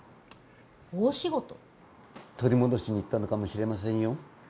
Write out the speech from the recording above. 取り戻しに行ったのかもしれませんよ。